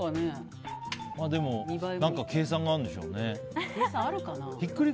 でも計算があるんでしょうね。